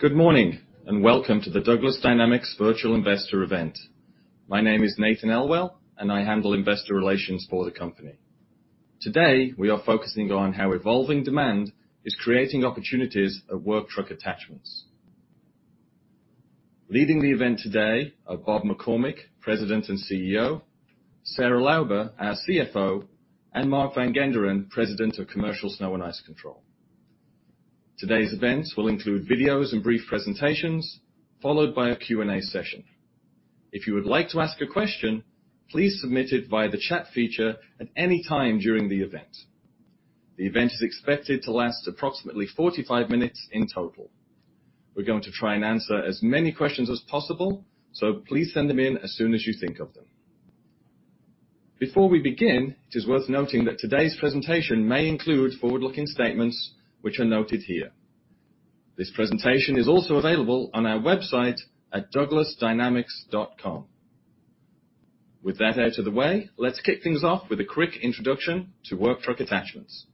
Good morning, and welcome to the Douglas Dynamics Virtual Investor event. My name is Nathan Elwell, and I handle investor relations for the company. Today, we are focusing on how evolving demand is creating opportunities at Work Truck Attachments. Leading the event today are Robert McCormick, President and CEO, Sarah Lauber, our CFO, and Mark Van Genderen, President of Commercial Snow & Ice Control. Today's events will include videos and brief presentations, followed by a Q&A session. If you would like to ask a question, please submit it via the chat feature at any time during the event. The event is expected to last approximately 45 minutes in total. We're going to try and answer as many questions as possible, so please send them in as soon as you think of them. Before we begin, it is worth noting that today's presentation may include forward-looking statements which are noted here. This presentation is also available on our website at douglasdynamics.com. With that out of the way, let's kick things off with a quick introduction to Work Truck Attachments.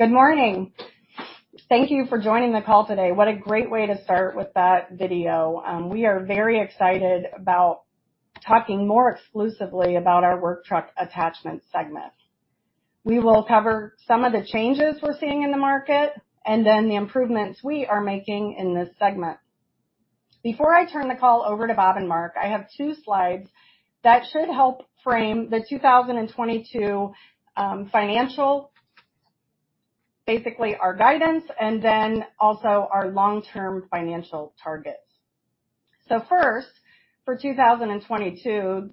Good morning. Thank you for joining the call today. What a great way to start with that video. We are very excited about talking more exclusively about our Work Truck Attachments segment. We will cover some of the changes we're seeing in the market and then the improvements we are making in this segment. Before I turn the call over to Bob and Mark, I have two slides that should help frame the 2022 financial, basically our guidance and then also our long-term financial targets. First, for 2022,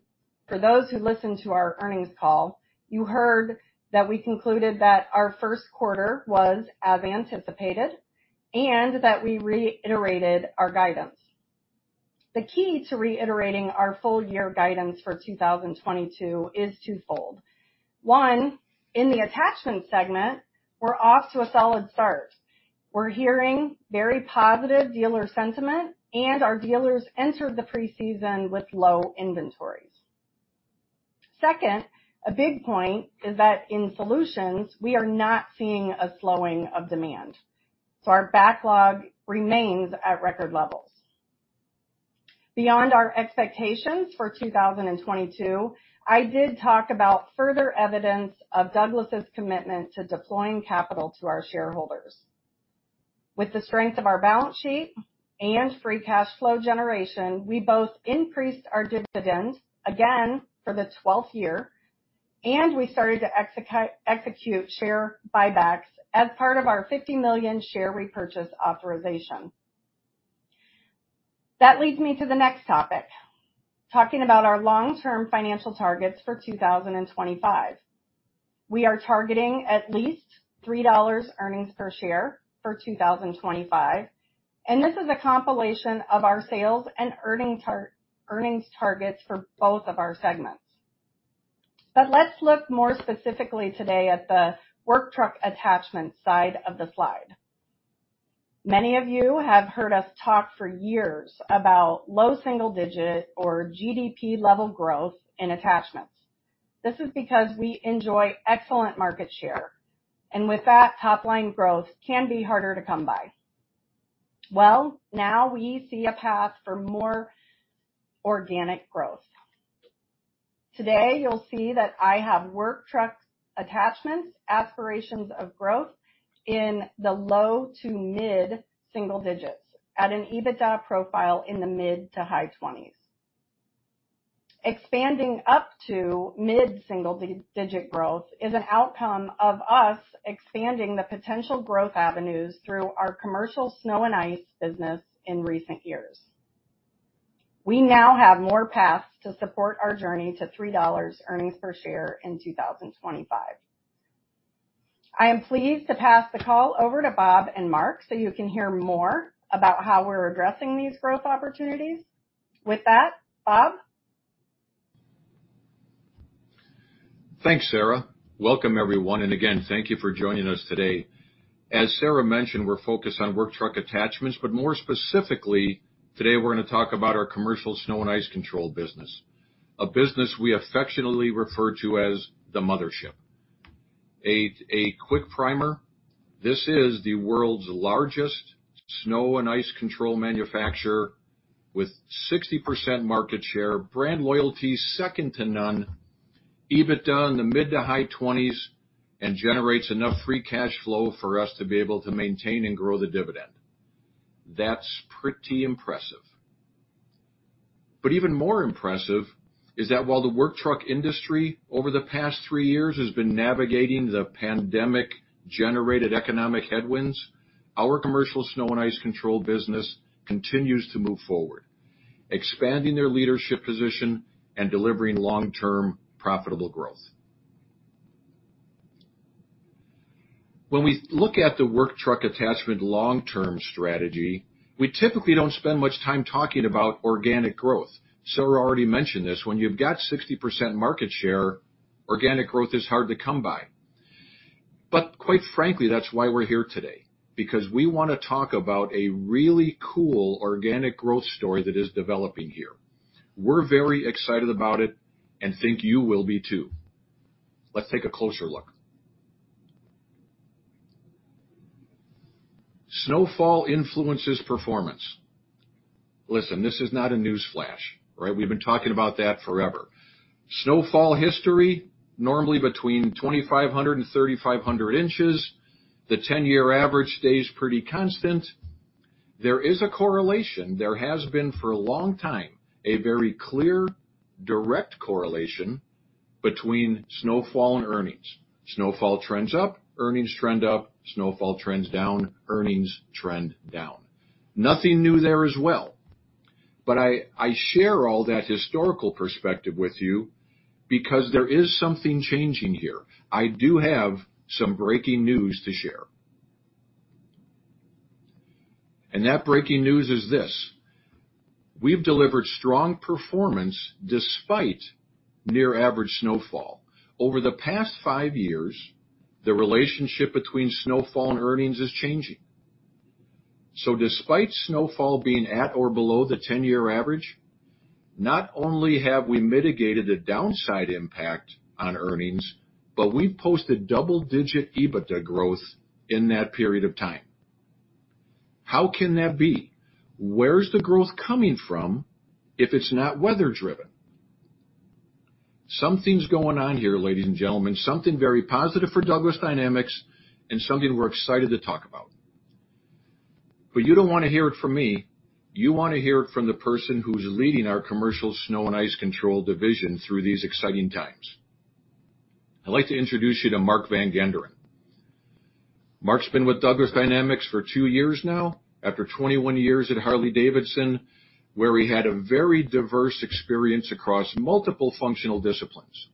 for those who listened to our earnings call, you heard that we concluded that our first quarter was as anticipated and that we reiterated our guidance. The key to reiterating our full year guidance for 2022 is twofold. One, in the Attachments segment, we're off to a solid start. We're hearing very positive dealer sentiment, and our dealers entered the preseason with low inventories. Second, a big point is that in solutions we are not seeing a slowing of demand, so our backlog remains at record levels. Beyond our expectations for 2022, I did talk about further evidence of Douglas's commitment to deploying capital to our shareholders. With the strength of our balance sheet and free cash flow generation, we both increased our dividend again for the 12th year, and we started to execute share buybacks as part of our $50 million share repurchase authorization. That leads me to the next topic. Talking about our long-term financial targets for 2025. We are targeting at least $3 earnings per share for 2025, and this is a compilation of our sales and earnings targets for both of our segments. Let's look more specifically today at the Work Truck Attachment side of the slide. Many of you have heard us talk for years about low single-digit or GDP level growth in attachments. This is because we enjoy excellent market share, and with that, top line growth can be harder to come by. Well, now we see a path for more organic growth. Today, you'll see that I have Work Truck Attachments, aspirations of growth in the low-to-mid-single digits at an EBITDA profile in the mid-to-high 20s. Expanding up to mid-single-digit growth is an outcome of us expanding the potential growth avenues through our commercial snow and ice business in recent years. We now have more paths to support our journey to $3 earnings per share in 2025. I am pleased to pass the call over to Bob and Mark so you can hear more about how we're addressing these growth opportunities. With that, Bob. Thanks, Sarah. Welcome, everyone, and again, thank you for joining us today. As Sarah mentioned, we're focused on Work Truck Attachments, but more specifically, today we're gonna talk about our commercial snow and ice control business, a business we affectionately refer to as the mothership. A quick primer. This is the world's largest snow and ice control manufacturer with 60% market share, brand loyalty second to none, EBITDA in the mid-to-high-20s, and generates enough free cash flow for us to be able to maintain and grow the dividend. That's pretty impressive. Even more impressive is that while the Work Truck industry over the past three years has been navigating the pandemic-generated economic headwinds, our commercial snow and ice control business continues to move forward, expanding their leadership position and delivering long-term profitable growth. When we look at the Work Truck Attachment long-term strategy, we typically don't spend much time talking about organic growth. Sarah already mentioned this. When you've got 60% market share, organic growth is hard to come by. Quite frankly, that's why we're here today, because we wanna talk about a really cool organic growth story that is developing here. We're very excited about it and think you will be too. Let's take a closer look. Snowfall influences performance. Listen, this is not a news flash, right? We've been talking about that forever. Snowfall history, normally between 2,500 in and 3,500 in. The 10-year average stays pretty constant. There is a correlation, there has been for a long time, a very clear direct correlation between snowfall and earnings. Snowfall trends up, earnings trend up, snowfall trends down, earnings trend down. Nothing new there as well. I share all that historical perspective with you because there is something changing here. I do have some breaking news to share. that breaking news is this: We've delivered strong performance despite near average snowfall. Over the past five years, the relationship between snowfall and earnings is changing. despite snowfall being at or below the ten-year average, not only have we mitigated the downside impact on earnings, but we've posted double-digit EBITDA growth in that period of time. How can that be? Where's the growth coming from if it's not weather driven? Something's going on here, ladies and gentlemen, something very positive for Douglas Dynamics and something we're excited to talk about. you don't wanna hear it from me. You wanna hear it from the person who's leading our commercial snow and ice control division through these exciting times. I'd like to introduce you to Mark Van Genderen. Mark's been with Douglas Dynamics for two years now, after 21 years at Harley-Davidson, where he had a very diverse experience across multiple functional disciplines.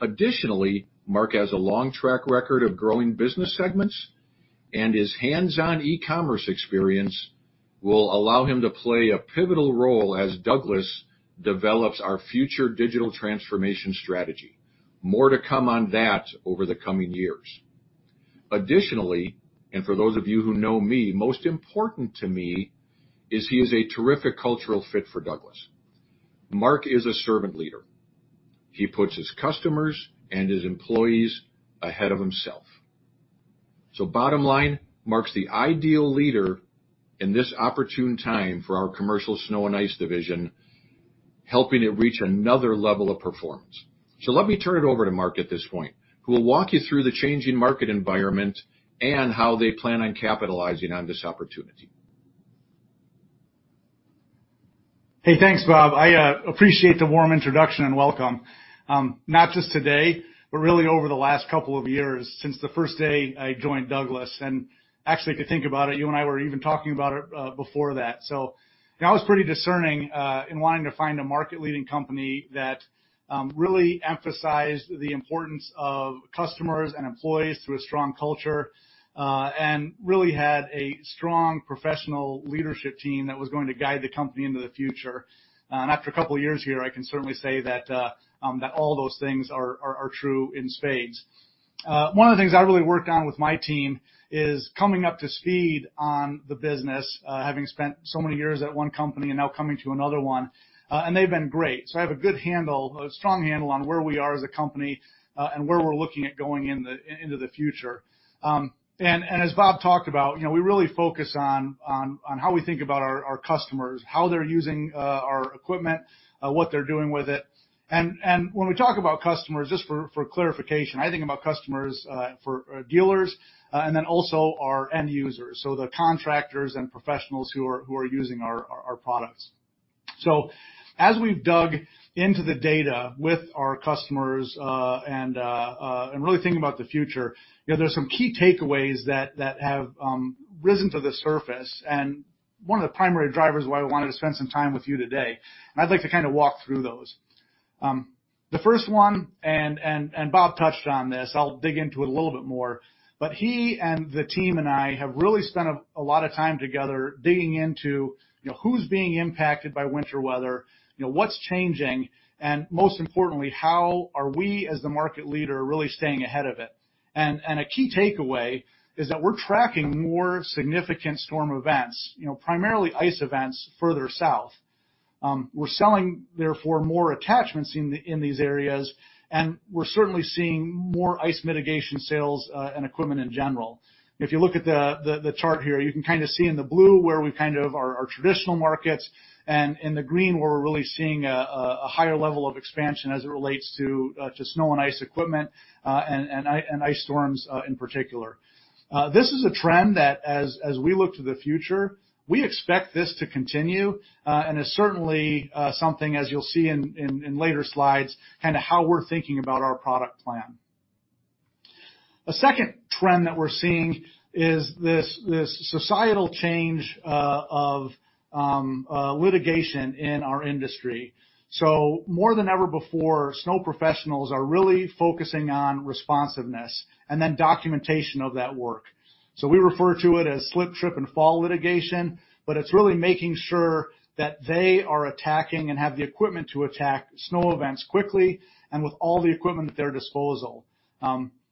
Additionally, Mark has a long track record of growing business segments, and his hands-on e-commerce experience will allow him to play a pivotal role as Douglas develops our future digital transformation strategy. More to come on that over the coming years. Additionally, and for those of you who know me, most important to me, is he is a terrific cultural fit for Douglas. Mark is a Servant Leader. He puts his customers and his employees ahead of himself. Bottom line, Mark's the ideal leader in this opportune time for our commercial snow and ice division, helping it reach another level of performance. Let me turn it over to Mark at this point, who will walk you through the changing market environment and how they plan on capitalizing on this opportunity. Hey, thanks, Bob. I appreciate the warm introduction and welcome. Not just today, but really over the last couple of years since the first day I joined Douglas. Actually, if you think about it, you and I were even talking about it before that. I was pretty discerning in wanting to find a market-leading company that really emphasized the importance of customers and employees through a strong culture and really had a strong professional leadership team that was going to guide the company into the future. After a couple of years here, I can certainly say that all those things are true in spades. One of the things I really worked on with my team is coming up to speed on the business, having spent so many years at one company and now coming to another one, and they've been great. I have a good handle, a strong handle on where we are as a company, and where we're looking at going into the future. As Bob talked about, you know, we really focus on how we think about our customers, how they're using our equipment, what they're doing with it. When we talk about customers, just for clarification, I think about customers for dealers, and then also our end users, so the contractors and professionals who are using our products. As we've dug into the data with our customers, and really thinking about the future, you know, there's some key takeaways that have risen to the surface and one of the primary drivers why I wanted to spend some time with you today. I'd like to kind of walk through those. The first one, and Bob touched on this, I'll dig into it a little bit more, but he and the team and I have really spent a lot of time together digging into, you know, who's being impacted by winter weather, you know, what's changing, and most importantly, how are we as the market leader really staying ahead of it. A key takeaway is that we're tracking more significant storm events, you know, primarily ice events further south. We're selling therefore more attachments in these areas, and we're certainly seeing more ice mitigation sales, and equipment in general. If you look at the chart here, you can kinda see in the blue where our traditional markets and in the green, where we're really seeing a higher level of expansion as it relates to snow and ice equipment, and ice storms, in particular. This is a trend that as we look to the future, we expect this to continue, and is certainly something, as you'll see in later slides, kinda how we're thinking about our product plan. A second trend that we're seeing is this societal change of litigation in our industry. More than ever before, snow professionals are really focusing on responsiveness and then documentation of that work. We refer to it as slip, trip, and fall litigation, but it's really making sure that they are attacking and have the equipment to attack snow events quickly and with all the equipment at their disposal.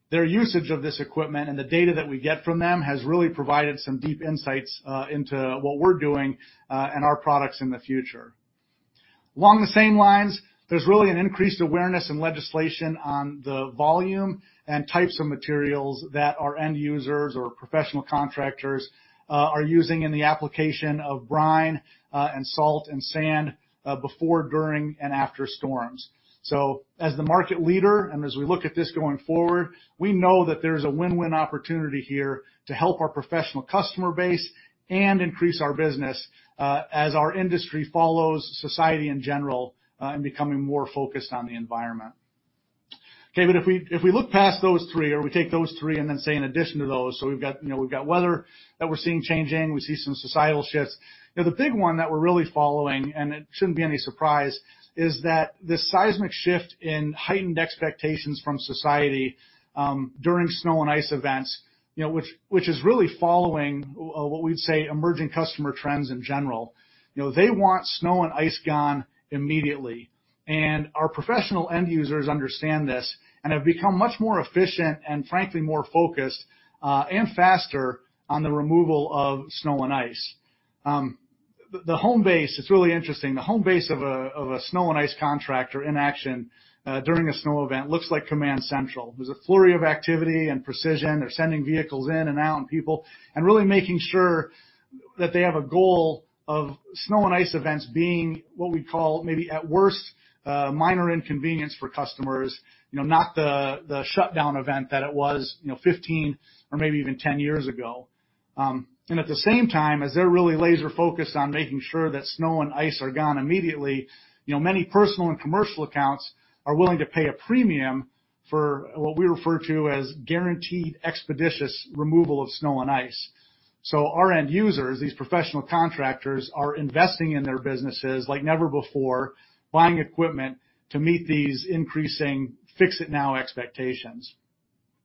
Their usage of this equipment and the data that we get from them has really provided some deep insights into what we're doing and our products in the future. Along the same lines, there's really an increased awareness and legislation on the volume and types of materials that our end users or professional contractors are using in the application of brine and salt and sand before, during, and after storms. As the market leader and as we look at this going forward, we know that there's a win-win opportunity here to help our professional customer base and increase our business, as our industry follows society in general, in becoming more focused on the environment. Okay, if we look past those three or we take those three and then say in addition to those, we've got, you know, we've got weather that we're seeing changing, we see some societal shifts. You know, the big one that we're really following, and it shouldn't be any surprise, is that the seismic shift in heightened expectations from society, during snow and ice events, you know, which is really following what we'd say emerging customer trends in general. You know, they want snow and ice gone immediately. Our professional end users understand this and have become much more efficient and frankly, more focused, and faster on the removal of snow and ice. The home base, it's really interesting. The home base of a snow and ice contractor in action during a snow event looks like command central. There's a flurry of activity and precision. They're sending vehicles in and out and people, and really making sure that they have a goal of snow and ice events being what we call maybe at worst, minor inconvenience for customers, you know, not the shutdown event that it was, you know, 15 or maybe even 10 years ago. At the same time, as they're really laser-focused on making sure that snow and ice are gone immediately, you know, many personal and commercial accounts are willing to pay a premium for what we refer to as guaranteed expeditious removal of snow and ice. Our end users, these professional contractors, are investing in their businesses like never before, buying equipment to meet these increasing fix it now expectations.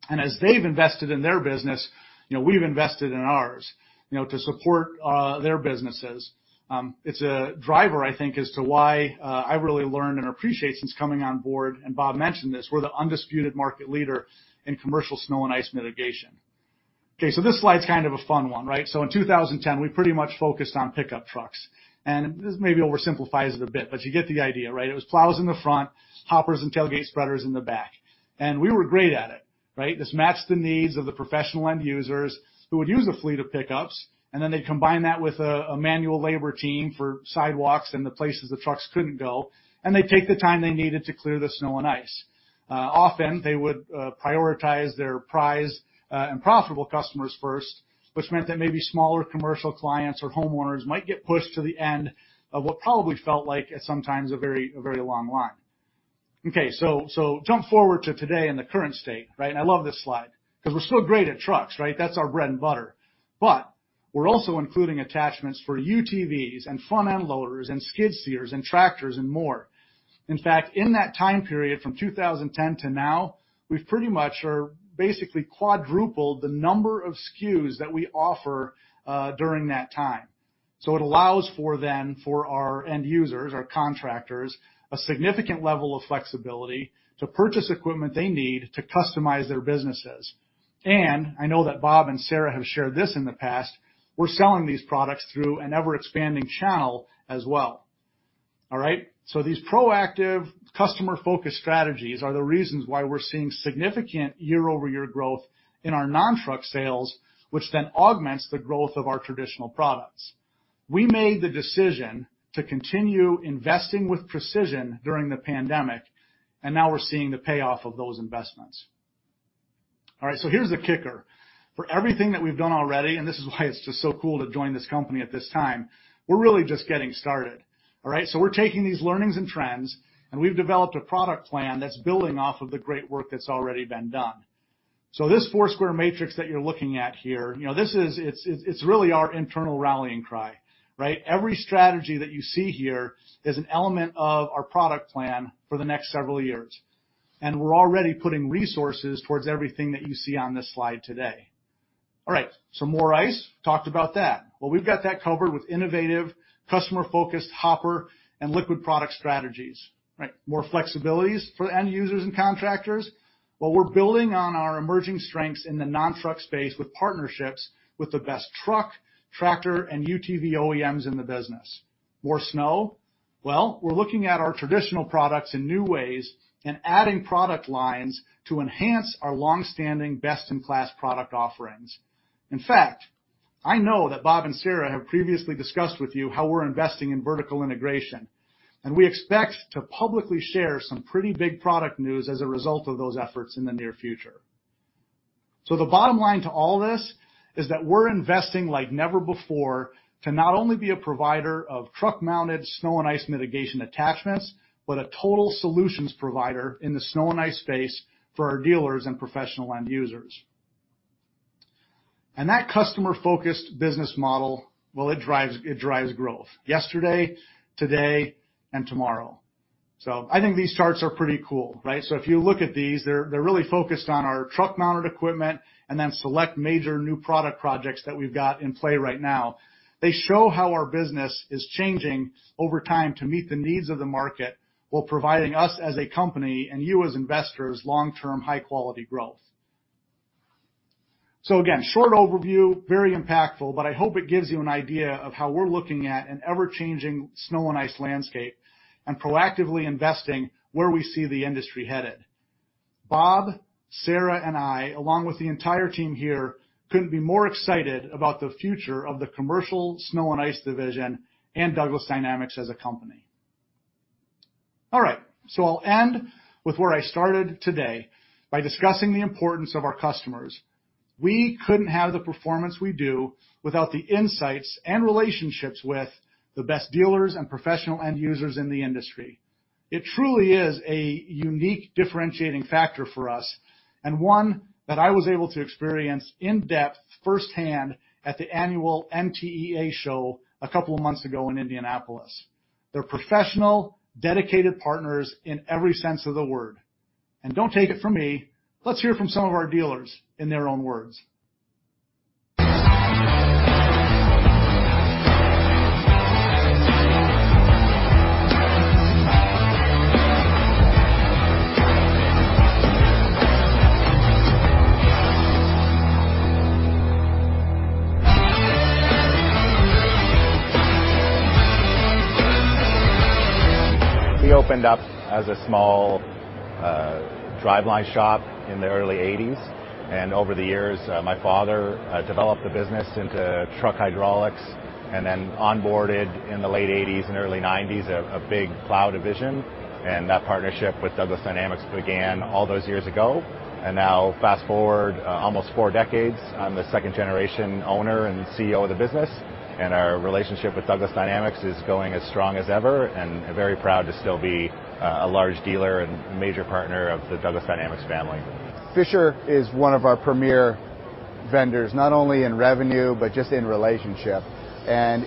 As they've invested in their business, you know, we've invested in ours, you know, to support their businesses. It's a driver, I think, as to why I really learned and appreciate since coming on board, and Bob mentioned this, we're the undisputed market leader in commercial snow and ice mitigation. This slide's kind of a fun one, right? In 2010, we pretty much focused on pickup trucks. This maybe oversimplifies it a bit, but you get the idea, right? It was plows in the front, hoppers and tailgate spreaders in the back. We were great at it, right? This matched the needs of the professional end users who would use a fleet of pickups, and then they'd combine that with a manual labor team for sidewalks and the places the trucks couldn't go, and they'd take the time they needed to clear the snow and ice. Often they would prioritize their prime and profitable customers first, which meant that maybe smaller commercial clients or homeowners might get pushed to the end of what probably felt like at some times a very long line. Okay, jump forward to today in the current state, right? I love this slide 'cause we're still great at trucks, right? That's our bread and butter. We're also including attachments for UTVs and front end loaders and skid steers and tractors and more. In fact, in that time period from 2010 to now, we pretty much are basically quadrupled the number of SKUs that we offer, during that time. It allows for our end users, our contractors, a significant level of flexibility to purchase equipment they need to customize their businesses. I know that Bob and Sarah have shared this in the past, we're selling these products through an ever-expanding channel as well. All right. These proactive customer-focused strategies are the reasons why we're seeing significant year-over-year growth in our non-truck sales, which then augments the growth of our traditional products. We made the decision to continue investing with precision during the pandemic, and now we're seeing the payoff of those investments. All right, here's the kicker. For everything that we've done already, and this is why it's just so cool to join this company at this time, we're really just getting started. All right? We're taking these learnings and trends, and we've developed a product plan that's building off of the great work that's already been done. This four-square matrix that you're looking at here, you know, this is, it's really our internal rallying cry, right? Every strategy that you see here is an element of our product plan for the next several years, and we're already putting resources towards everything that you see on this slide today. All right. More ice. Talked about that. Well, we've got that covered with innovative, customer-focused hopper and liquid product strategies. Right. More flexibilities for the end users and contractors. Well, we're building on our emerging strengths in the non-truck space with partnerships with the best truck, tractor, and UTV OEMs in the business. More snow. Well, we're looking at our traditional products in new ways and adding product lines to enhance our long-standing, best-in-class product offerings. In fact, I know that Bob and Sarah have previously discussed with you how we're investing in vertical integration, and we expect to publicly share some pretty big product news as a result of those efforts in the near future. The bottom line to all this is that we're investing like never before to not only be a provider of truck-mounted snow and ice mitigation attachments, but a total solutions provider in the snow and ice space for our dealers and professional end users. That customer-focused business model, well, it drives growth yesterday, today, and tomorrow. I think these charts are pretty cool, right? If you look at these, they're really focused on our truck-mounted equipment and then select major new product projects that we've got in play right now. They show how our business is changing over time to meet the needs of the market, while providing us as a company and you as investors long-term, high-quality growth. Again, short overview, very impactful, but I hope it gives you an idea of how we're looking at an ever-changing snow and ice landscape and proactively investing where we see the industry headed. Bob, Sarah, and I, along with the entire team here, couldn't be more excited about the future of the commercial snow and ice division and Douglas Dynamics as a company. All right. I'll end with where I started today by discussing the importance of our customers. We couldn't have the performance we do without the insights and relationships with the best dealers and professional end users in the industry. It truly is a unique differentiating factor for us and one that I was able to experience in depth firsthand at the annual NTEA show a couple of months ago in Indianapolis. They're professional, dedicated partners in every sense of the word. Don't take it from me, let's hear from some of our dealers in their own words. We opened up as a small, driveline shop in the early 80s. Over the years, my father developed the business into truck hydraulics and then onboarded in the late 80s and early 90s a big plow division. That partnership with Douglas Dynamics began all those years ago. Now fast-forward, almost four decades, I'm the 2nd-generation Owner and CEO of the business, and our relationship with Douglas Dynamics is going as strong as ever, and very proud to still be a large dealer and major partner of the Douglas Dynamics family. Fisher is one of our premier vendors, not only in revenue, but just in relationship.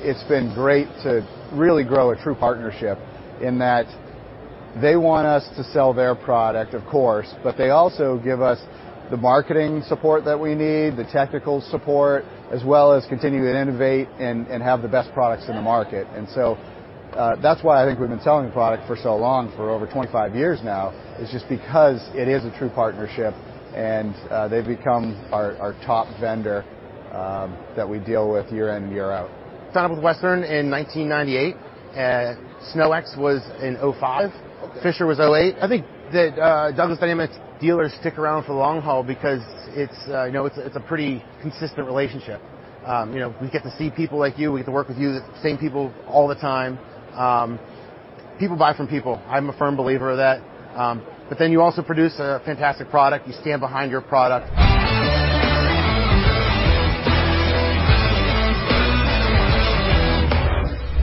It's been great to really grow a true partnership in that they want us to sell their product, of course, but they also give us the marketing support that we need, the technical support, as well as continue to innovate and have the best products in the market. That's why I think we've been selling the product for so long, for over 25 years now, is just because it is a true partnership and they've become our top vendor that we deal with year in and year out. Started with Western in 1998. SnowEx was in 2005. Okay. Fisher was 2008. I think that Douglas Dynamics dealers stick around for the long haul because it's a pretty consistent relationship. We get to see people like you. We get to work with you, the same people all the time. People buy from people. I'm a firm believer of that. You also produce a fantastic product. You stand behind your product.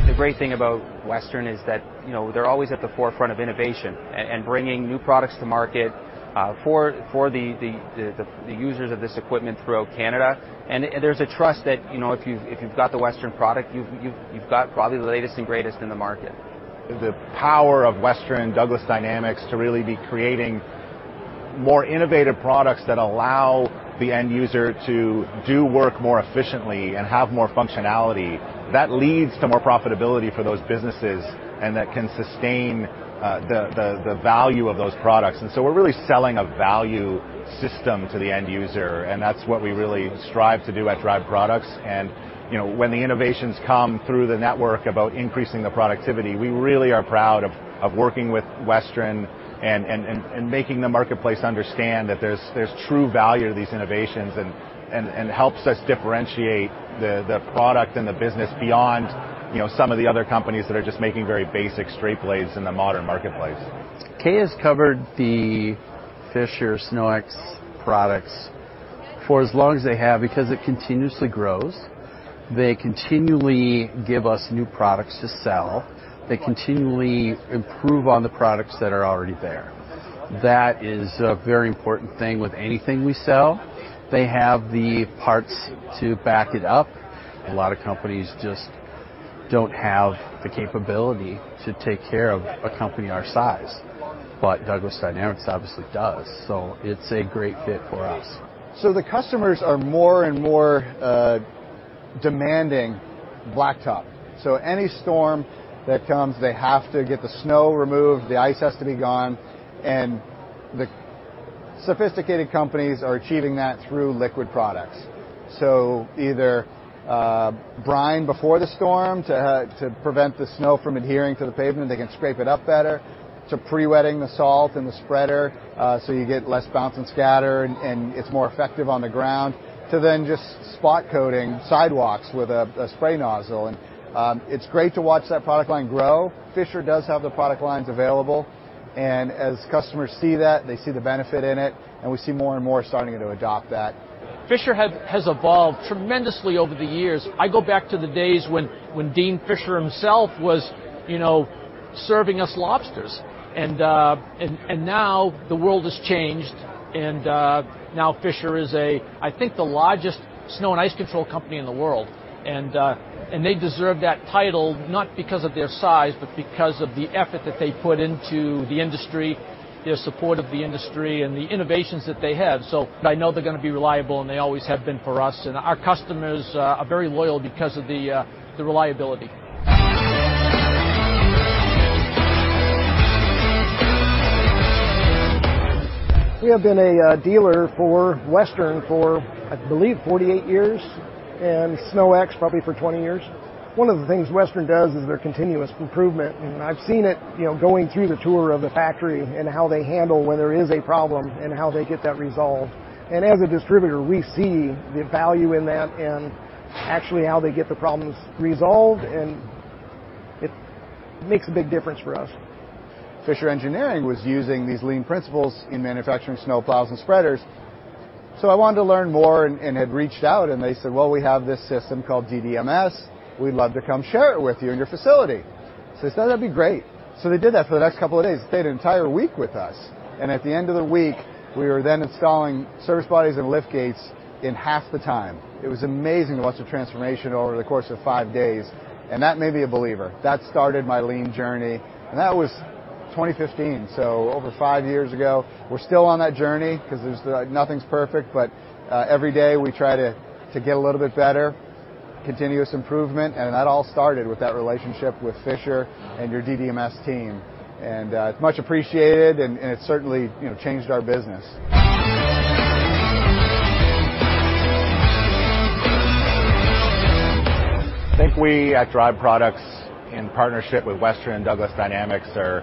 The great thing about Western is that, you know, they're always at the forefront of innovation and bringing new products to market, for the users of this equipment throughout Canada. There's a trust that, you know, if you've got the Western product, you've got probably the latest and greatest in the market. The power of Western and Douglas Dynamics to really be creating more innovative products that allow the end user to do work more efficiently and have more functionality, that leads to more profitability for those businesses, and that can sustain the value of those products. We're really selling a value system to the end user, and that's what we really strive to do at Drive Products. You know, when the innovations come through the network about increasing the productivity, we really are proud of working with Western and making the marketplace understand that there's true value to these innovations and helps us differentiate the product and the business beyond, you know, some of the other companies that are just making very basic straight blades in the modern marketplace. K&A has covered the Fisher/SnowEx products for as long as they have because it continuously grows. They continually give us new products to sell. They continually improve on the products that are already there. That is a very important thing with anything we sell. They have the parts to back it up. A lot of companies just don't have the capability to take care of a company our size, but Douglas Dynamics obviously does. It's a great fit for us. The customers are more and more demanding blacktop. Any storm that comes, they have to get the snow removed, the ice has to be gone, and the sophisticated companies are achieving that through liquid products. Either brine before the storm to prevent the snow from adhering to the pavement, and they can scrape it up better, to pre-wetting the salt in the spreader, so you get less bounce and scatter, and it's more effective on the ground, to then just spot coating sidewalks with a spray nozzle. It's great to watch that product line grow. Fisher does have the product lines available, and as customers see that, they see the benefit in it, and we see more and more starting to adopt that. Fisher has evolved tremendously over the years. I go back to the days when Dean Fisher himself was, you know, serving us lobsters. Now the world has changed, and now Fisher is, I think, the largest snow and ice control company in the world. They deserve that title not because of their size but because of the effort that they put into the industry, their support of the industry, and the innovations that they have. I know they're gonna be reliable, and they always have been for us. Our customers are very loyal because of the reliability. We have been a dealer for Western for, I believe, 48 years, and SnowEx probably for 20 years. One of the things Western does is their continuous improvement, and I've seen it, you know, going through the tour of the factory and how they handle when there is a problem and how they get that resolved. As a distributor, we see the value in that and actually how they get the problems resolved, and it makes a big difference for us. Fisher Engineering was using these lean principles in manufacturing snow plows and spreaders. I wanted to learn more and had reached out, and they said, "Well, we have this system called DDMS. We'd love to come share it with you in your facility." I said, "That'd be great." They did that for the next couple of days. They stayed an entire week with us, and at the end of the week, we were then installing service bodies and lift gates in half the time. It was amazing the transformation over the course of five days, and that made me a believer. That started my lean journey, and that was 2015, over five years ago. We're still on that journey 'cause there's, nothing's perfect, but, every day we try to get a little bit better, continuous improvement, and that all started with that relationship with Fisher and your DDMS team. It's much appreciated, and it certainly, you know, changed our business. I think we at Drive Products, in partnership with Western and Douglas Dynamics, are,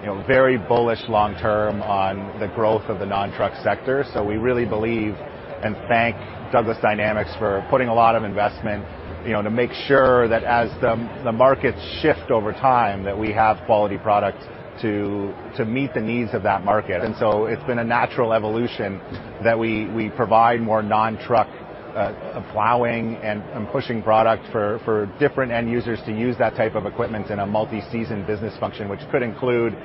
you know, very bullish long term on the growth of the non-truck sector. We really believe and thank Douglas Dynamics for putting a lot of investment, you know, to make sure that as the markets shift over time, that we have quality products to meet the needs of that market. It's been a natural evolution that we provide more non-truck plowing and pushing product for different end users to use that type of equipment in a multi-season business function, which could include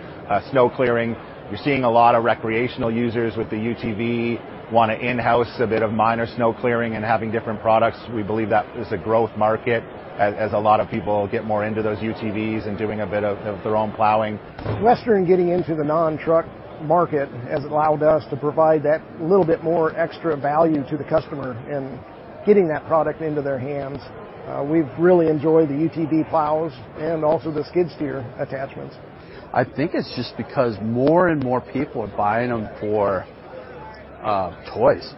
snow clearing. You're seeing a lot of recreational users with the UTV wanna in-house a bit of minor snow clearing and having different products. We believe that is a growth market as a lot of people get more into those UTVs and doing a bit of their own plowing. Western getting into the non-truck market has allowed us to provide that little bit more extra value to the customer in getting that product into their hands. We've really enjoyed the UTV plows and also the skid steer attachments. I think it's just because more and more people are buying them for toys.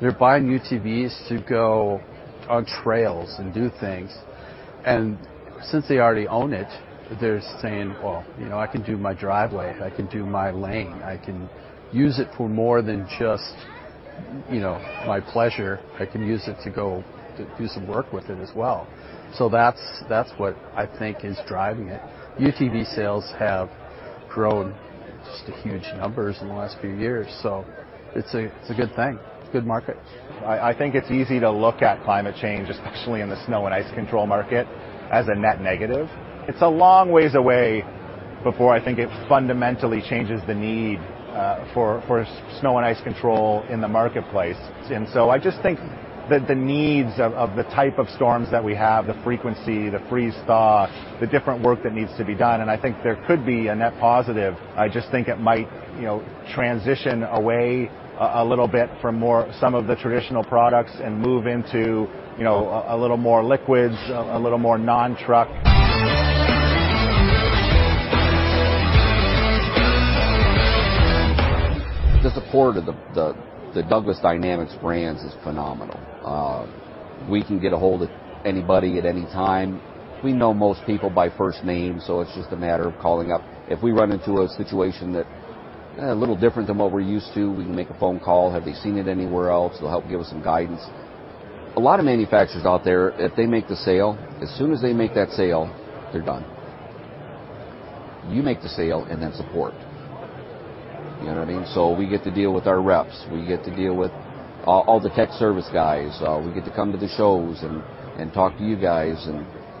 They're buying UTVs to go on trails and do things. Since they already own it, they're saying, "Well, you know, I can do my driveway. I can do my lane. I can use it for more than just, you know, my pleasure. I can use it to go do some work with it as well." That's what I think is driving it. UTV sales have Grown just to huge numbers in the last few years. It's a good thing, good market. I think it's easy to look at climate change, especially in the snow and ice control market, as a net negative. It's a long ways away before I think it fundamentally changes the need for snow and ice control in the marketplace. I just think that the needs of the type of storms that we have, the frequency, the freeze thaw, the different work that needs to be done, and I think there could be a net positive. I just think it might, you know, transition away a little bit from more some of the traditional products and move into, you know, a little more liquids, a little more non-truck. The support of the Douglas Dynamics brands is phenomenal. We can get ahold of anybody at any time. We know most people by first name, so it's just a matter of calling up. If we run into a situation that a little different than what we're used to, we can make a phone call. Have they seen it anywhere else? They'll help give us some guidance. A lot of manufacturers out there, if they make the sale, as soon as they make that sale, they're done. You make the sale and then support. You know what I mean? We get to deal with our reps. We get to deal with the tech service guys. We get to come to the shows and talk to you guys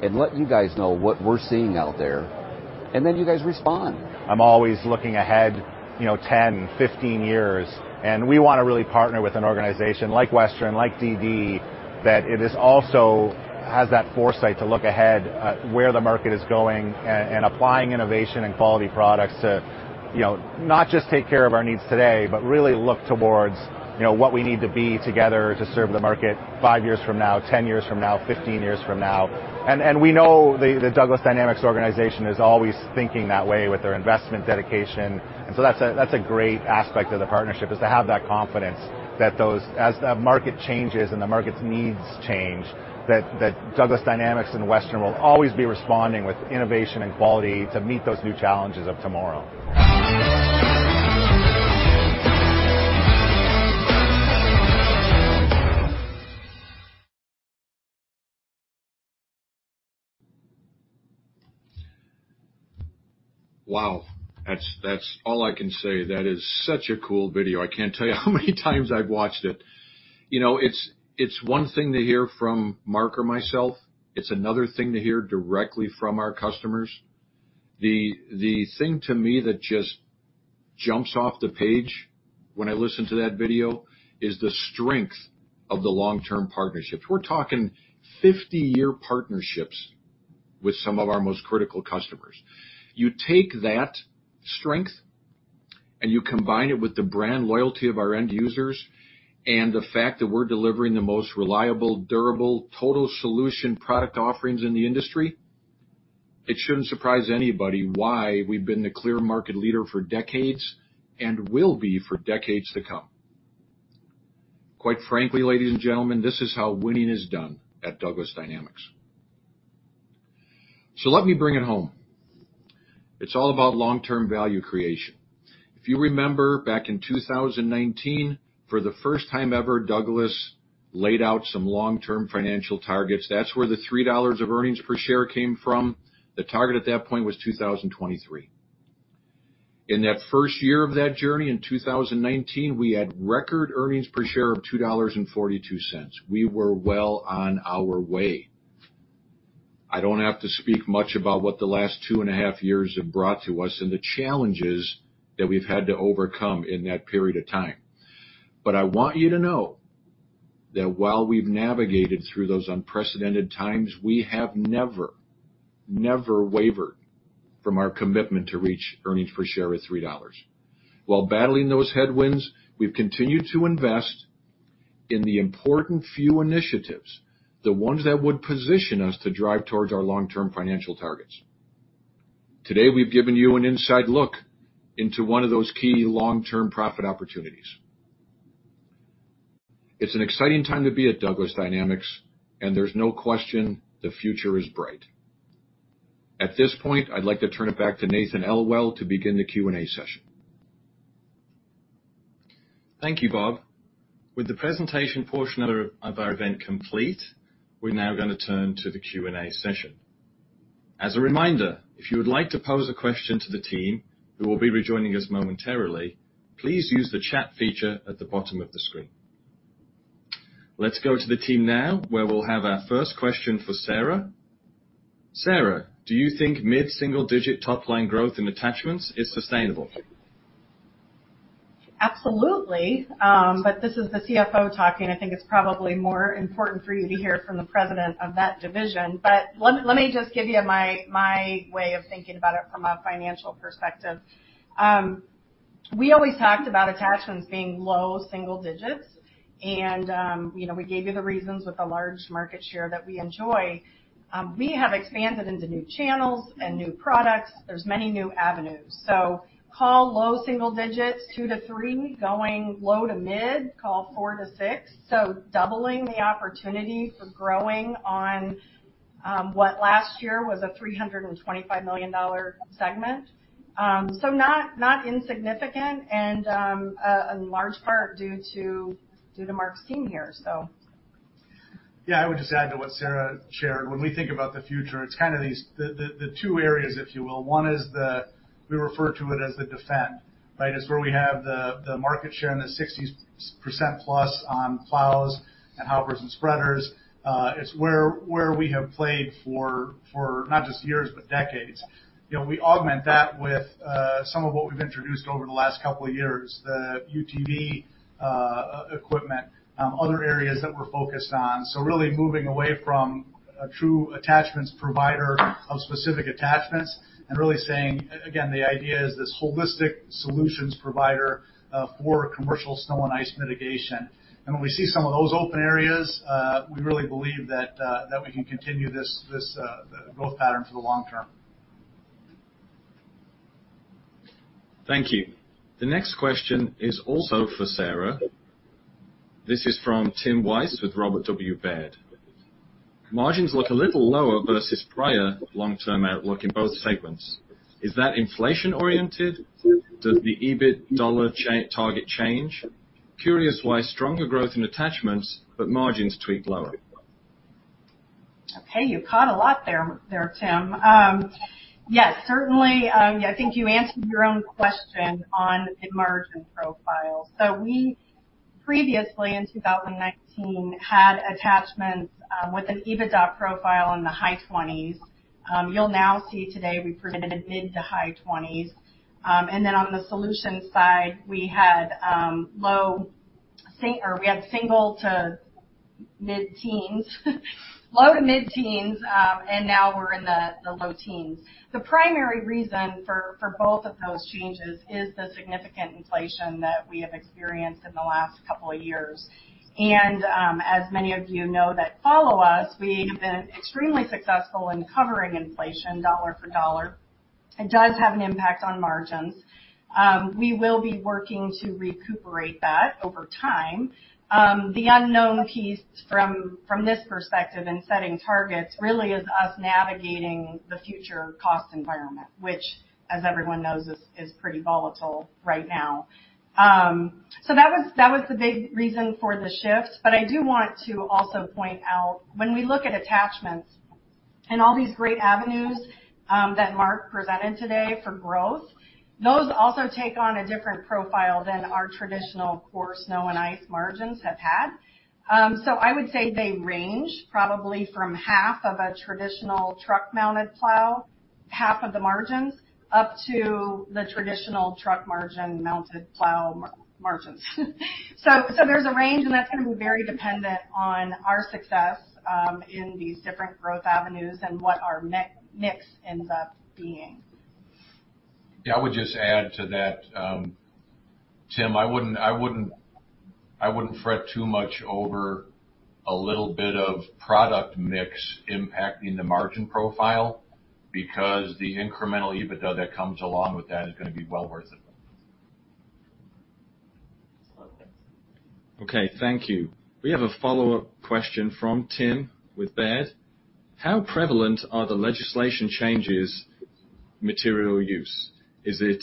and let you guys know what we're seeing out there, and then you guys respond. I'm always looking ahead, you know, 10, 15 years, and we wanna really partner with an organization like Western, like DD, that it is also has that foresight to look ahead at where the market is going and applying innovation and quality products to, you know, not just take care of our needs today, but really look towards, you know, what we need to be together to serve the market five years from now, 10 years from now, 15 years from now. We know the Douglas Dynamics organization is always thinking that way with their investment dedication. That's a great aspect of the partnership, is to have that confidence that those as the market changes and the market's needs change, that Douglas Dynamics and Western will always be responding with innovation and quality to meet those new challenges of tomorrow. Wow. That's all I can say. That is such a cool video. I can't tell you how many times I've watched it. You know, it's one thing to hear from Mark or myself, it's another thing to hear directly from our customers. The thing to me that just jumps off the page when I listen to that video is the strength of the long-term partnerships. We're talking 50-year partnerships with some of our most critical customers. You take that strength and you combine it with the brand loyalty of our end users and the fact that we're delivering the most reliable, durable, total solution product offerings in the industry, it shouldn't surprise anybody why we've been the clear market leader for decades and will be for decades to come. Quite frankly, ladies and gentlemen, this is how winning is done at Douglas Dynamics. Let me bring it home. It's all about long-term value creation. If you remember, back in 2019, for the first time ever, Douglas laid out some long-term financial targets. That's where the $3 of earnings per share came from. The target at that point was 2023. In that first year of that journey, in 2019, we had record earnings per share of $2.42. We were well on our way. I don't have to speak much about what the last two and a half years have brought to us and the challenges that we've had to overcome in that period of time. I want you to know that while we've navigated through those unprecedented times, we have never wavered from our commitment to reach earnings per share of $3. While battling those headwinds, we've continued to invest in the important few initiatives, the ones that would position us to drive towards our long-term financial targets. Today, we've given you an inside look into one of those key long-term profit opportunities. It's an exciting time to be at Douglas Dynamics, and there's no question the future is bright. At this point, I'd like to turn it back to Nathan Elwell to begin the Q&A session. Thank you, Bob. With the presentation portion of our event complete, we're now gonna turn to the Q&A session. As a reminder, if you would like to pose a question to the team, who will be rejoining us momentarily, please use the chat feature at the bottom of the screen. Let's go to the team now, where we'll have our first question for Sarah. Sarah, do you think mid-single digit top-line growth in attachments is sustainable? Absolutely. This is the CFO talking. I think it's probably more important for you to hear from the president of that division. Let me just give you my way of thinking about it from a financial perspective. We always talked about attachments being low single digits. You know, we gave you the reasons with the large market share that we enjoy. We have expanded into new channels and new products. There's many new avenues. Call low single digits 2%-3%, going low to mid, call 4%-6%. Doubling the opportunity for growing on what last year was a $325 million segment. Not insignificant and a large part due to Mark's team here. Yeah, I would just add to what Sarah shared. When we think about the future, it's kind of these two areas, if you will. One is the, we refer to it as the defend, right? It's where we have the market share in the 60%+ on plows and hoppers and spreaders. It's where we have played for not just years, but decades. You know, we augment that with some of what we've introduced over the last couple of years, the UTV equipment, other areas that we're focused on. So really moving away from a true attachments provider of specific attachments and really saying, again, the idea is this holistic solutions provider for commercial snow and ice mitigation. When we see some of those open areas, we really believe that we can continue this growth pattern for the long term. Thank you. The next question is also for Sarah. This is from Tim Wojs with Robert W. Baird. Margins look a little lower versus prior long-term outlook in both segments. Is that inflation-oriented? Does the EBIT dollar target change? Curious why stronger growth in attachments, but margins tweak lower. Okay, you caught a lot there, Tim. Yes, certainly, I think you answered your own question on the margin profile. We previously in 2019 had attachments with an EBITDA profile in the high 20s. You'll now see today we presented mid- to high 20s. And then on the solution side, we had single-to- mid-teens, low-to-mid-teens, and now we're in the low teens. The primary reason for both of those changes is the significant inflation that we have experienced in the last couple of years. As many of you know that follow us, we've been extremely successful in covering inflation dollar for dollar. It does have an impact on margins. We will be working to recuperate that over time. The unknown piece from this perspective in setting targets really is us navigating the future cost environment, which, as everyone knows, is pretty volatile right now. That was the big reason for the shift. I do want to also point out, when we look at attachments and all these great avenues, that Mark presented today for growth, those also take on a different profile than our traditional core snow and ice margins have had. I would say they range probably from half of a traditional truck-mounted plow, half of the margins, up to the traditional truck margin-mounted plow margins. There's a range, and that's gonna be very dependent on our success, in these different growth avenues and what our mix ends up being. Yeah, I would just add to that, Tim, I wouldn't fret too much over a little bit of product mix impacting the margin profile because the incremental EBITDA that comes along with that is gonna be well worth it. Thank you. We have a follow-up question from Tim Wojs with Baird. How prevalent are the legislative changes to material use? Is it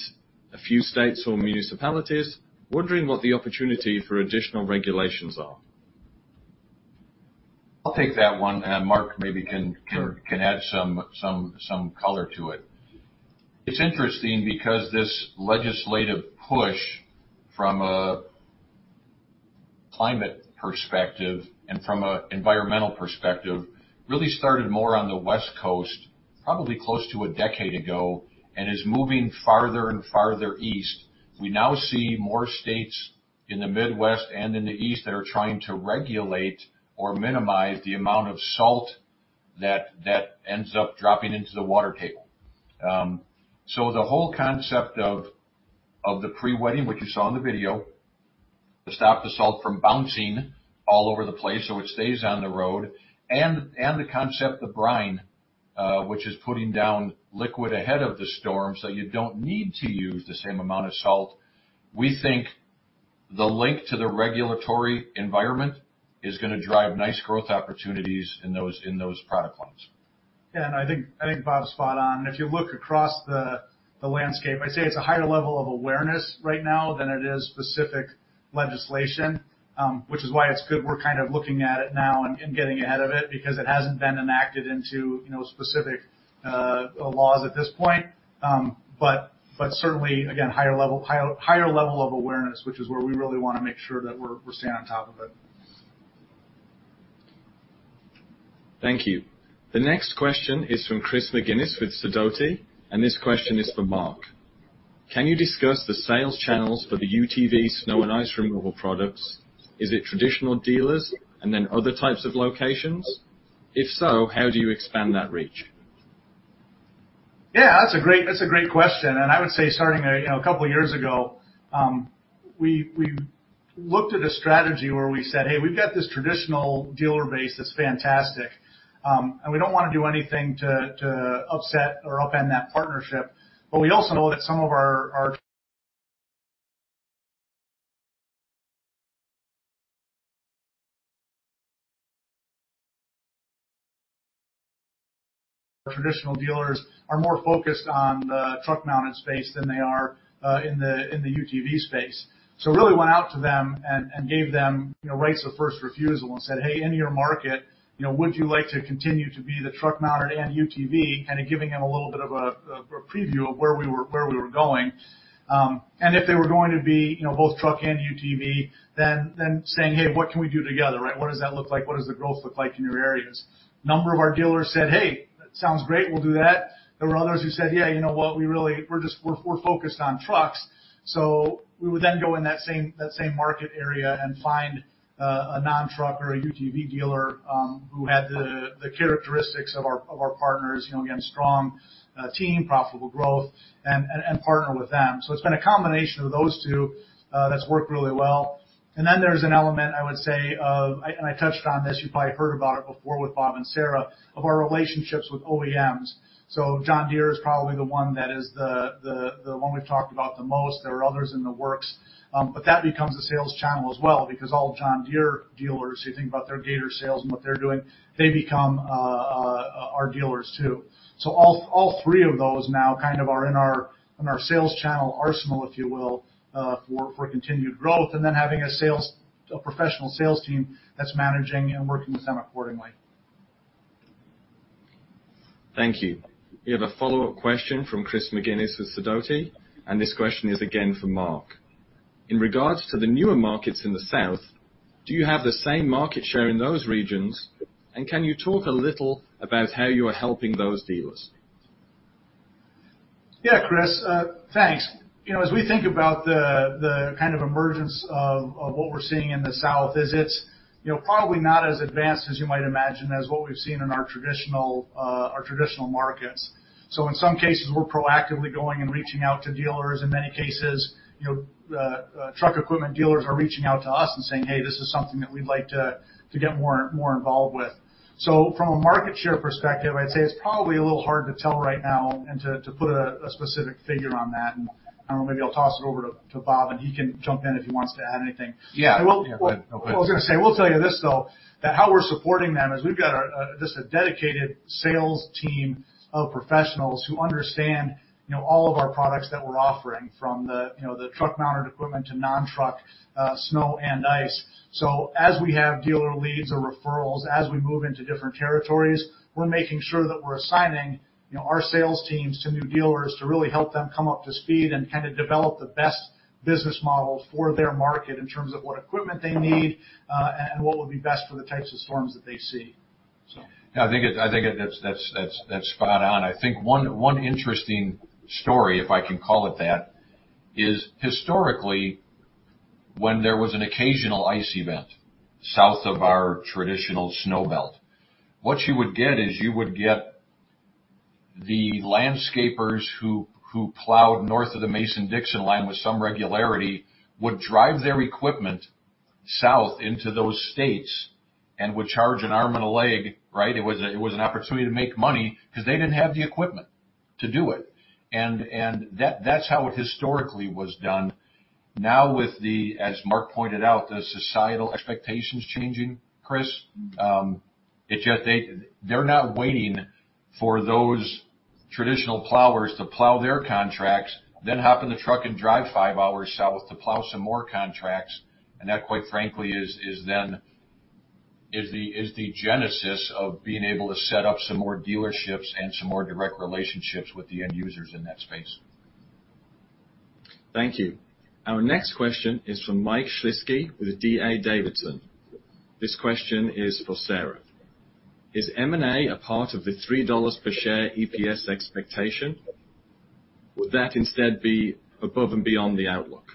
a few states or municipalities? Wondering what the opportunity for additional regulations are. I'll take that one, and Mark maybe can. Sure. Can add some color to it. It's interesting because this legislative push from a climate perspective and from an environmental perspective really started more on the West Coast probably close to a decade ago and is moving farther and farther east. We now see more states in the Midwest and in the East that are trying to regulate or minimize the amount of salt that ends up dropping into the water table. So the whole concept of the pre-wetting, what you saw in the video, to stop the salt from bouncing all over the place, so it stays on the road, and the concept of brine, which is putting down liquid ahead of the storm, so you don't need to use the same amount of salt. We think the link to the regulatory environment is gonna drive nice growth opportunities in those product lines. Yeah, I think Bob's spot on. If you look across the landscape, I'd say it's a higher level of awareness right now than it is specific legislation, which is why it's good we're kind of looking at it now and getting ahead of it because it hasn't been enacted into, you know, specific laws at this point. But certainly, again, higher level of awareness, which is where we really wanna make sure that we're staying on top of it. Thank you. The next question is from Chris McGinnis with Sidoti, and this question is for Mark. Can you discuss the sales channels for the UTV snow and ice removal products? Is it traditional dealers and then other types of locations? If so, how do you expand that reach? Yeah, that's a great question. I would say starting a couple of years ago, we looked at a strategy where we said, "Hey, we've got this traditional dealer base that's fantastic. We don't wanna do anything to upset or upend that partnership." We also know that some of our traditional dealers are more focused on the truck-mounted space than they are in the UTV space. We really went out to them and gave them, you know, rights of first refusal and said, "Hey, in your market, you know, would you like to continue to be the truck mounted and UTV?" Kinda giving them a little bit of a preview of where we were going. If they were going to be, you know, both truck and UTV, then saying, "Hey, what can we do together?" Right? "What does that look like? What does the growth look like in your areas?" A number of our dealers said, "Hey, that sounds great. We'll do that." There were others who said, "Yeah, you know what? We're just focused on trucks." We would then go in that same market area and find a non-truck or a UTV dealer who had the characteristics of our partners, you know, again, strong team, profitable growth and partner with them. It's been a combination of those two that's worked really well. There's an element I would say of and I touched on this, you probably heard about it before with Bob and Sarah, of our relationships with OEMs. John Deere is probably the one that is the one we've talked about the most. There are others in the works. That becomes a sales channel as well, because all John Deere dealers, you think about their Gator sales and what they're doing, they become our dealers too. All three of those now kind of are in our sales channel arsenal, if you will, for continued growth, and then having a professional sales team that's managing and working with them accordingly. Thank you. We have a follow-up question from Chris McGinnis with Sidoti, and this question is again for Mark. In regards to the newer markets in the South, do you have the same market share in those regions, and can you talk a little about how you are helping those dealers? Yeah, Chris. Thanks. You know, as we think about the kind of emergence of what we're seeing in the South, it's, you know, probably not as advanced as you might imagine as what we've seen in our traditional markets. In some cases, we're proactively going and reaching out to dealers. In many cases, you know, truck equipment dealers are reaching out to us and saying, "Hey, this is something that we'd like to get more involved with." From a market share perspective, I'd say it's probably a little hard to tell right now and to put a specific figure on that. I don't know, maybe I'll toss it over to Bob, and he can jump in if he wants to add anything. Yeah. Yeah. Go ahead. What I was gonna say, we'll tell you this, though, that how we're supporting them is we've got a, this dedicated sales team of professionals who understand, you know, all of our products that we're offering from the, you know, the truck-mounted equipment to non-truck snow and ice. As we have dealer leads or referrals, as we move into different territories, we're making sure that we're assigning, you know, our sales teams to new dealers to really help them come up to speed and kinda develop the best business models for their market in terms of what equipment they need, and what would be best for the types of storms that they see. Yeah, I think that's spot on. I think one interesting story, if I can call it that, is historically, when there was an occasional ice event south of our traditional snow belt, what you would get is you would get the landscapers who plowed north of the Mason-Dixon line with some regularity, would drive their equipment south into those states and would charge an arm and a leg, right? It was an opportunity to make money 'cause they didn't have the equipment to do it. That's how it historically was done. Now, with the, as Mark pointed out, the societal expectations changing, Chris, they're not waiting for those traditional plowers to plow their contracts, then hop in the truck and drive five hours south to plow some more contracts. That, quite frankly, is the genesis of being able to set up some more dealerships and some more direct relationships with the end users in that space. Thank you. Our next question is from Mike Shlisky with D.A. Davidson. This question is for Sarah. Is M&A a part of the $3 per share EPS expectation? Would that instead be above and beyond the outlook?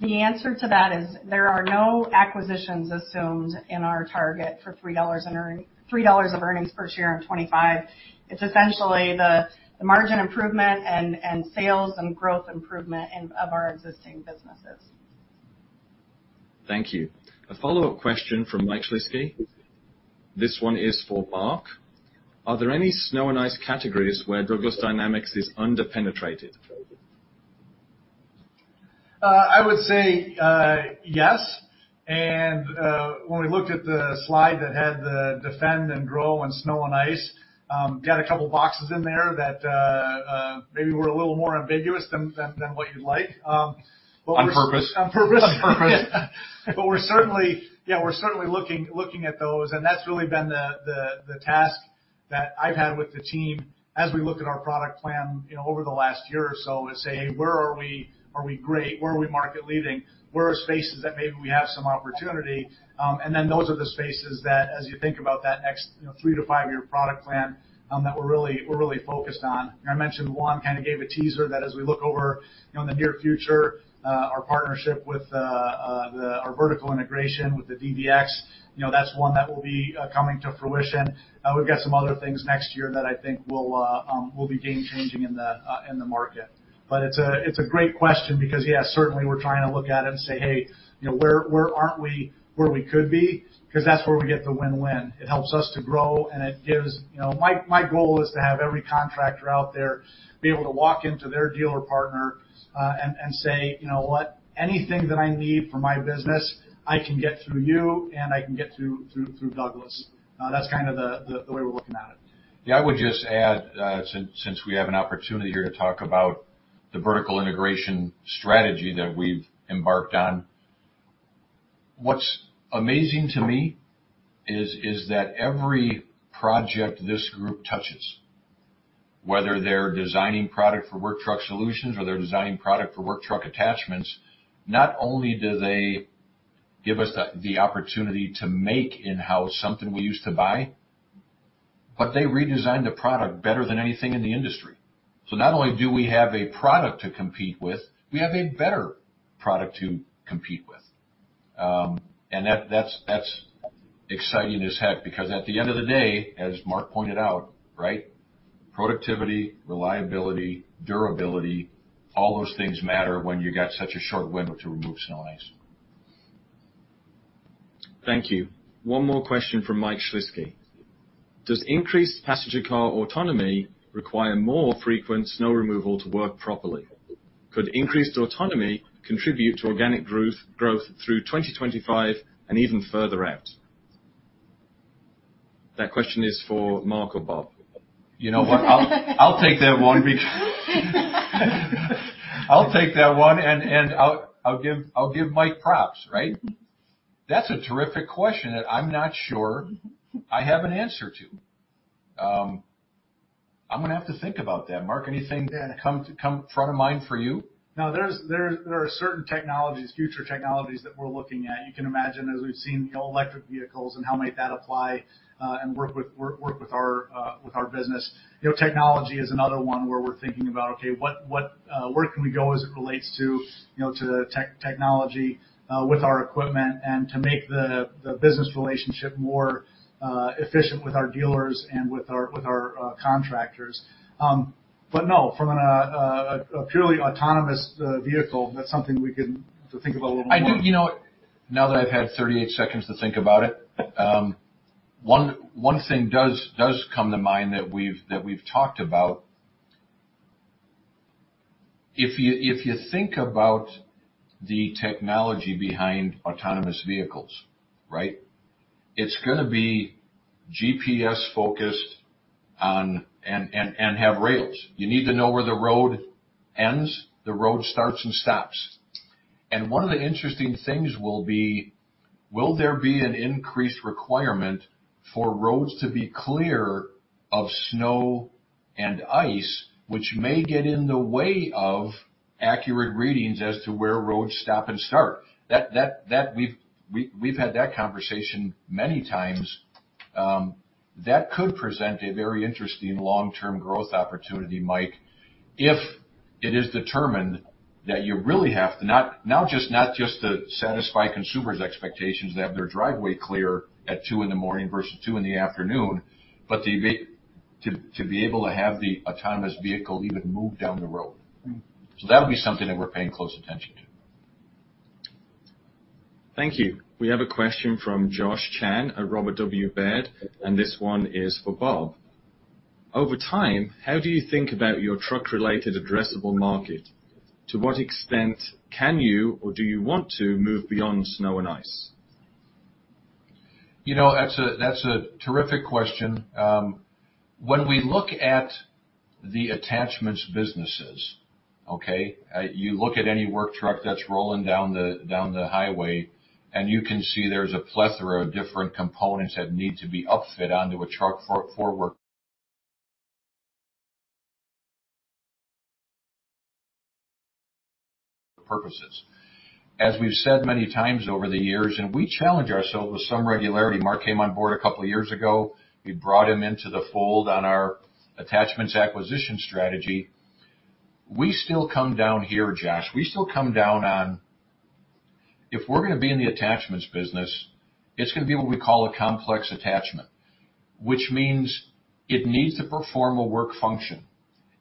The answer to that is there are no acquisitions assumed in our target for $3 of earnings per share in 2025. It's essentially the margin improvement and sales and growth improvement of our existing businesses. Thank you. A follow-up question from Mike Shlisky. This one is for Mark. Are there any snow and ice categories where Douglas Dynamics is under-penetrated? I would say yes. When we looked at the slide that had the defend and grow and snow and ice, got a couple boxes in there that maybe were a little more ambiguous than what you'd like. We're On purpose. On purpose. On purpose. We're certainly looking at those, and that's really been the task that I've had with the team as we look at our product plan, you know, over the last year or so and say, "Where are we? Are we great? Where are we market leading? Where are spaces that maybe we have some opportunity?" And then those are the spaces that as you think about that next, you know, three to five-year product plan, that we're really focused on. I mentioned one, kinda gave a teaser that as we look over, you know, in the near future, our vertical integration with the DVX. You know, that's one that will be coming to fruition. We've got some other things next year that I think will be game changing in the market. It's a great question because, yeah, certainly we're trying to look at it and say, "Hey, you know, where aren't we where we could be?" 'Cause that's where we get the win-win. It helps us to grow, and it gives you know, my goal is to have every contractor out there be able to walk into their dealer partner and say, "You know what? Anything that I need for my business, I can get through you, and I can get through Douglas." That's kind of the way we're looking at it. Yeah. I would just add, since we have an opportunity here to talk about the vertical integration strategy that we've embarked on. What's amazing to me is that every project this group touches, whether they're designing product for Work Truck Solutions or they're designing product for Work Truck Attachments, not only do they give us the opportunity to make in-house something we used to buy, but they redesigned the product better than anything in the industry. So not only do we have a product to compete with, we have a better product to compete with. And that's exciting as heck because at the end of the day, as Mark pointed out, right, productivity, reliability, durability, all those things matter when you got such a short window to remove snow and ice. Thank you. One more question from Mike Shlisky. Does increased passenger car autonomy require more frequent snow removal to work properly? Could increased autonomy contribute to organic growth through 2025 and even further out? That question is for Mark or Bob. You know what? I'll take that one, and I'll give Mike props, right? That's a terrific question, and I'm not sure I have an answer to. I'm gonna have to think about that. Mark, anything? Yeah. Come front of mind for you? No, there are certain technologies, future technologies that we're looking at. You can imagine, as we've seen all-electric vehicles and how might that apply and work with our business. You know, technology is another one where we're thinking about where we can go as it relates to, you know, to technology with our equipment and to make the business relationship more efficient with our dealers and with our contractors. No, from a purely autonomous vehicle, that's something we can think about a little more. I do. You know what? Now that I've had 38 seconds to think about it. One thing does come to mind that we've talked about. If you think about the technology behind autonomous vehicles, right? It's gonna be GPS-focused on and have rails. You need to know where the road ends, the road starts and stops. One of the interesting things will be, will there be an increased requirement for roads to be clear of snow and ice, which may get in the way of accurate readings as to where roads stop and start. That we've had that conversation many times. That could present a very interesting long-term growth opportunity, Mike, if it is determined that you really have to not just to satisfy consumers' expectations to have their driveway clear at two in the morning versus two in the afternoon, but to be able to have the autonomous vehicle even move down the road. Mm-hmm. That would be something that we're paying close attention to. Thank you. We have a question from Josh Chan at Robert W. Baird, and this one is for Bob. Over time, how do you think about your truck-related addressable market? To what extent can you or do you want to move beyond snow and ice? You know, that's a terrific question. When we look at the attachments businesses, okay? You look at any Work Truck that's rolling down the highway, and you can see there's a plethora of different components that need to be upfit onto a truck for work purposes. As we've said many times over the years, and we challenge ourselves with some regularity. Mark came on board a couple of years ago. We brought him into the fold on our attachments acquisition strategy. We still come down here, Josh. We still come down on, if we're gonna be in the attachments business, it's gonna be what we call a complex attachment, which means it needs to perform a work function.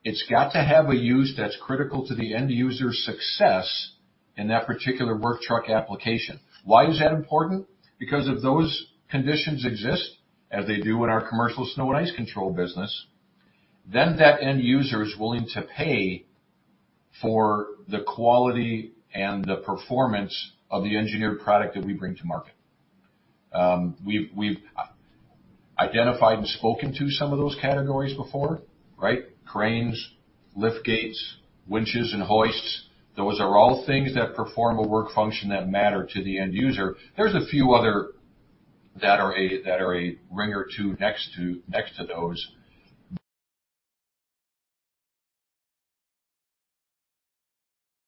It's got to have a use that's critical to the end user's success in that particular Work Truck application. Why is that important? Because if those conditions exist, as they do in our commercial snow and ice control business. That end user is willing to pay for the quality and the performance of the engineered product that we bring to market. We've identified and spoken to some of those categories before, right? Cranes, lift gates, winches and hoists. Those are all things that perform a work function that matter to the end user. There's a few other that are a ring or two next to those.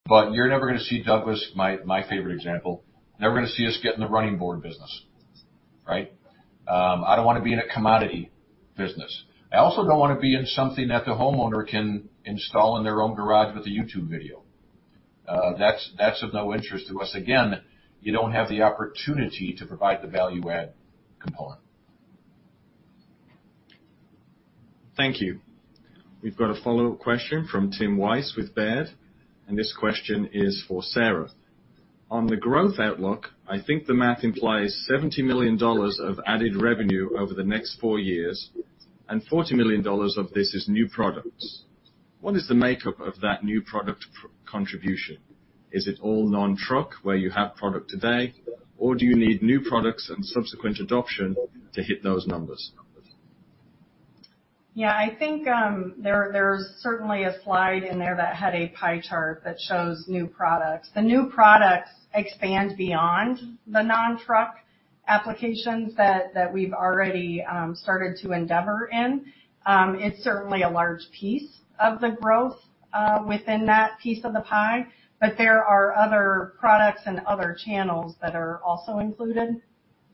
But you're never gonna see Douglas, my favorite example, never gonna see us get in the running board business, right? I don't wanna be in a commodity business. I also don't wanna be in something that the homeowner can install in their own garage with a YouTube video. That's of no interest to us. Again, you don't have the opportunity to provide the value add component. Thank you. We've got a follow-up question from Timothy Wojs with Baird, and this question is for Sarah. On the growth outlook, I think the math implies $70 million of added revenue over the next four years and $40 million of this is new products. What is the makeup of that new product contribution? Is it all non-truck, where you have product today, or do you need new products and subsequent adoption to hit those numbers? Yeah, I think there's certainly a slide in there that had a pie chart that shows new products. The new products expand beyond the non-truck applications that we've already started to endeavor in. It's certainly a large piece of the growth within that piece of the pie, but there are other products and other channels that are also included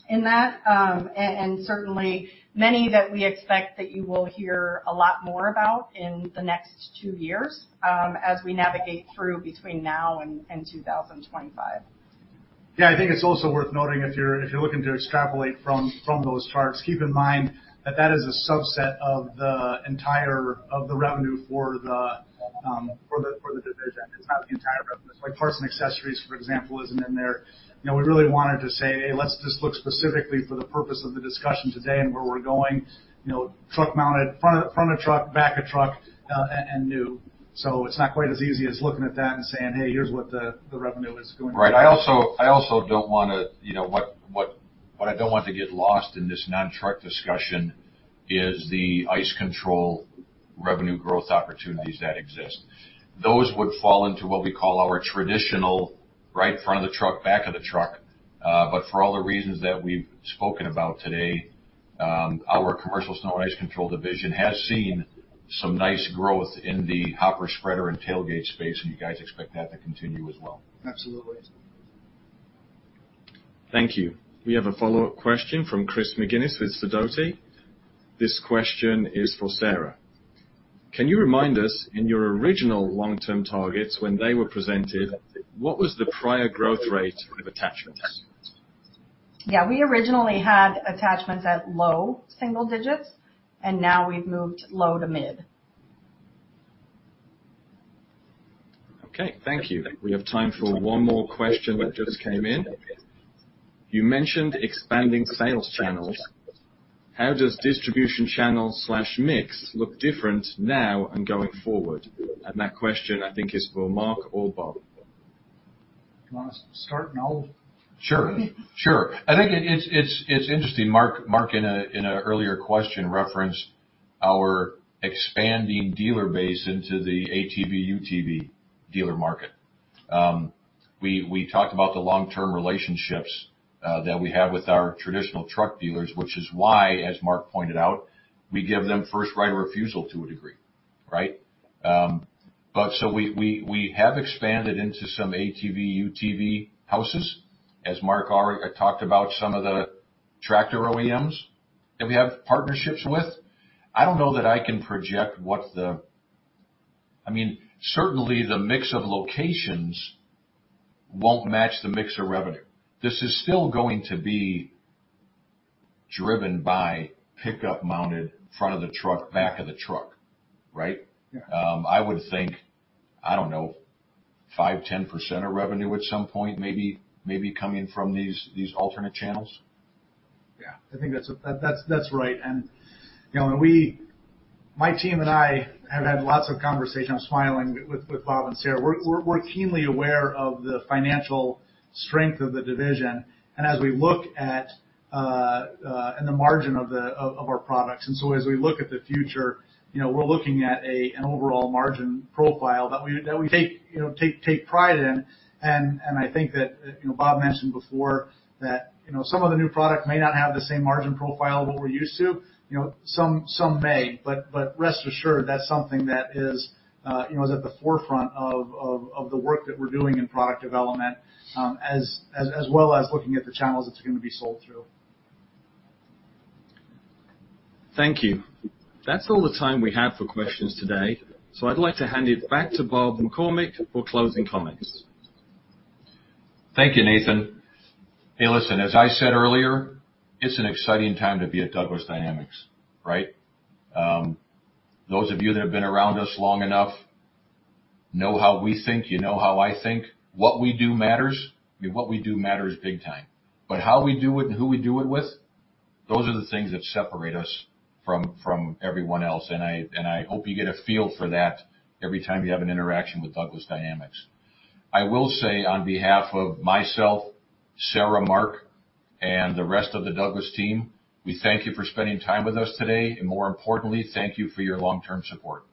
in that. And certainly many that we expect that you will hear a lot more about in the next two years as we navigate through between now and 2025. Yeah. I think it's also worth noting if you're looking to extrapolate from those charts, keep in mind that is a subset of the entire revenue for the division. It's not the entire revenue. Like parts and accessories, for example, isn't in there. You know, we really wanted to say, "Hey, let's just look specifically for the purpose of the discussion today and where we're going, you know, truck mounted, front of truck, back of truck, and new." So it's not quite as easy as looking at that and saying, "Hey, here's what the revenue is going to be. Right. I also you know, what I don't want to get lost in this non-truck discussion is the ice control revenue growth opportunities that exist. Those would fall into what we call our traditional, right, front of the truck, back of the truck. For all the reasons that we've spoken about today, our commercial snow and ice control division has seen some nice growth in the hopper spreader and tailgate space, and you guys expect that to continue as well. Absolutely. Thank you. We have a follow-up question from Chris McGinnis with Sidoti. This question is for Sarah. Can you remind us, in your original long-term targets when they were presented, what was the prior growth rate of attachments? Yeah. We originally had attachments at low single digits, and now we've moved low to mid. Okay. Thank you. We have time for one more question that just came in. You mentioned expanding sales channels. How does distribution channel/mix look different now and going forward? That question, I think, is for Mark or Bob. You want to start and I'll Sure. I think it's interesting. Mark, in an earlier question, referenced our expanding dealer base into the ATV UTV dealer market. We have expanded into some ATV UTV houses. As Mark already talked about some of the tractor OEMs that we have partnerships with. I don't know that I can project. I mean, certainly, the mix of locations won't match the mix of revenue. This is still going to be driven by pickup mounted front of the truck, back of the truck, right? Yeah. I would think, I don't know, 5%-10% of revenue at some point, maybe coming from these alternate channels. Yeah. I think that's right. You know, my team and I have had lots of conversations. I'm speaking with Bob and Sarah. We're keenly aware of the financial strength of the division and the margin of our products. As we look at the future, you know, we're looking at an overall margin profile that we take, you know, pride in. I think that, you know, Bob mentioned before that, you know, some of the new product may not have the same margin profile as what we're used to. You know, some may, but rest assured, that's something that is, you know, at the forefront of the work that we're doing in product development, as well as looking at the channels it's gonna be sold through. Thank you. That's all the time we have for questions today. I'd like to hand it back to Robert McCormick for closing comments. Thank you, Nathan. Hey, listen, as I said earlier, it's an exciting time to be at Douglas Dynamics, right? Those of you that have been around us long enough know how we think. You know how I think. What we do matters. I mean, what we do matters big time. How we do it and who we do it with, those are the things that separate us from everyone else. I hope you get a feel for that every time you have an interaction with Douglas Dynamics. I will say on behalf of myself, Sarah, Mark, and the rest of the Douglas team, we thank you for spending time with us today, and more importantly, thank you for your long-term support.